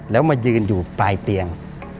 แล้วมายืนอยู่ปลายเตียง